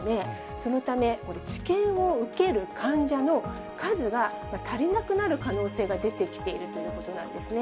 そのため、治験を受ける患者の数が足りなくなる可能性が出てきているということなんですね。